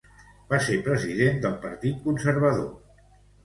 Va ser president del Partit Conservador Espanyol.